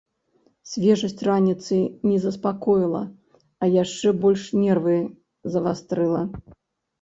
Свежасць раніцы не заспакоіла, а яшчэ больш нервы завастрыла.